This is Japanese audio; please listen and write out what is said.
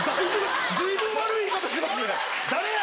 随分悪い言い方してますね誰や？